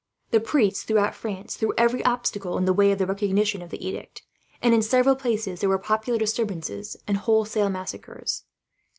The priests, throughout France, threw every obstacle in the way of the recognition of the edict; and in several places there were popular disturbances, and wholesale massacres.